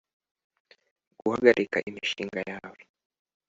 Guhagarika imishinga yawe